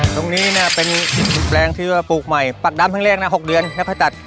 ตรงนี้เป็นหนึ่งแปรงที่พลูกใหม่ปลัดดำทั้งแรก๖เดือนและพ่อจัด